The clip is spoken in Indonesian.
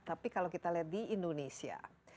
tapi kalau kita lihat di indonesia